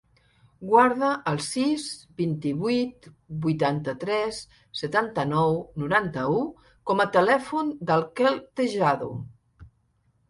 Guarda el sis, vint-i-vuit, vuitanta-tres, setanta-nou, noranta-u com a telèfon del Quel Tejado.